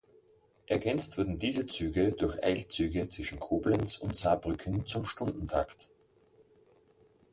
Ergänzt wurden diese Züge durch Eilzüge zwischen Koblenz und Saarbrücken zum Stundentakt.